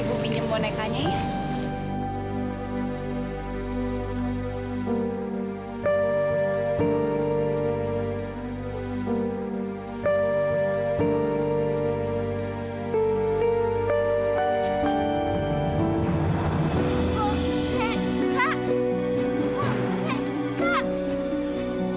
ibu minum bonekanya ya